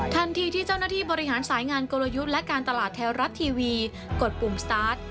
ทันทีที่เจ้าหน้าที่บริหารสายงานกลยุทธ์และการตลาดไทยรัฐทีวีกดปุ่มสตาร์ท